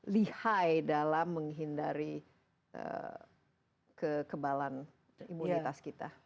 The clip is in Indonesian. lihai dalam menghindari kekebalan imunitas kita